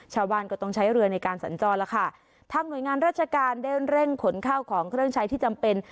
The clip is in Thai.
ชาวบ้านก็ต้องใช้เรือในการสัญจรแล้วค่ะทางหน่วยงานราชการได้เร่งขนข้าวของเครื่องใช้ที่จำเป็น